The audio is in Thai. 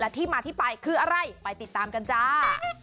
ที่มาที่ไปคืออะไรไปติดตามกันจ้า